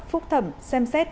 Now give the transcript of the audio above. phúc thẩm xem xét